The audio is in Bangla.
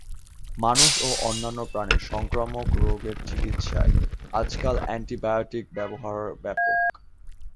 মানুষ ও অন্যান্য প্রাণীর সংক্রামক রোগ চিকিৎসায় আজকাল অ্যান্টিবায়োটিকের ব্যবহার ব্যাপক।